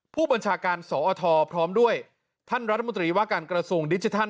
ผู้บัญชาการสอทพร้อมด้วยท่านรัฐมนตรีว่าการกระทรวงดิจิทัล